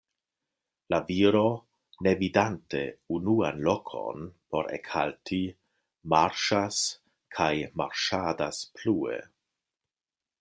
La viro, ne vidante unuan lokon por ekhalti, marŝas kaj marŝadas plue.